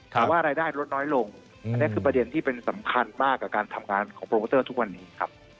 แต่ว่ารายได้ลดน้อยลงอันนี้คือประเด็นที่เป็นสำคัญมากกับการทำงานของโปรโมเตอร์ทุกวันนี้ครับ